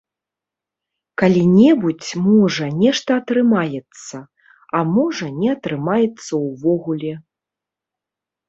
Калі-небудзь, можа, нешта атрымаецца, а можа, не атрымаецца ўвогуле.